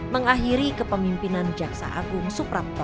mengakhiri kepemimpinan jaksa agung suprapto